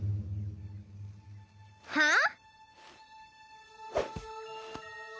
はあ？